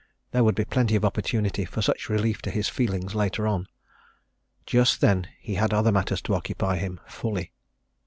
There would be plenty of opportunity for such relief to his feelings later on. Just then he had other matters to occupy him fully.